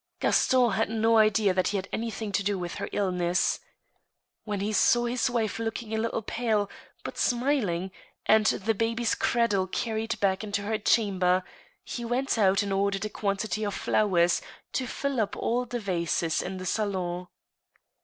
Gaston had no idea that he had had anything to do with her illness. 'When he saw his wife looking a little pale, but smiling, and the baby's cradle carried back into her chamber, he went out and ordered a quantity of flowers, to fill up all the vases in the salon.